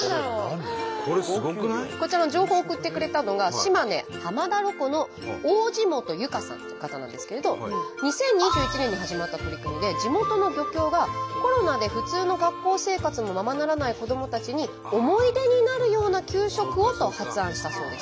こちらの情報を送ってくれたのが２０２１年に始まった取り組みで地元の漁協が「コロナで普通の学校生活もままならない子どもたちに思い出になるような給食を」と発案したそうです。